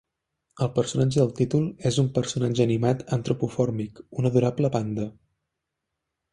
El personatge del títol és un personatge animat antropomòrfic, un adorable panda.